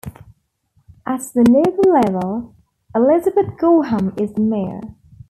At the local level, Elizabeth Goreham is the mayor.